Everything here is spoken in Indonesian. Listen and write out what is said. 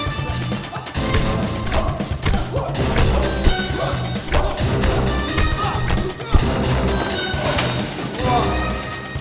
gak usah banyak omong loh